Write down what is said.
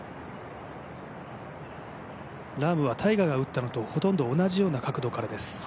ラームはタイガーが打ったのとほとんど同じような角度からです。